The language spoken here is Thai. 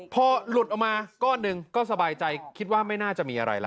พอหลุดออกมาก้อนหนึ่งก็สบายใจคิดว่าไม่น่าจะมีอะไรล่ะ